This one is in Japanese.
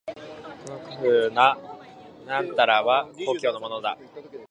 この古風な酒瓢は故郷のものだ。